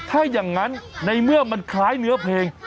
ถ้าอย่างนั้นในเมื่อมันคล้ายเนื้อเพลง